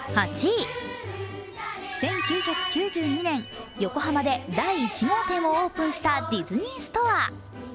１９９２年、横浜で第一号店をオープンしたディズニーストア。